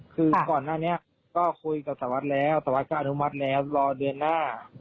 คือก่อนหน้านี้ก็คุยกับสารวัตรแล้วสารวัสดิก็อนุมัติแล้วรอเดือนหน้า